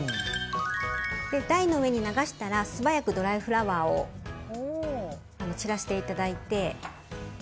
台の上に流したら素早くドライフラワーを散らしていただいて。